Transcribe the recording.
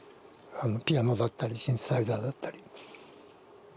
ピアノだったりシンセサイザーだったり。